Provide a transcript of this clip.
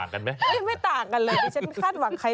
นกขุนชนะหล่อยจูงเบย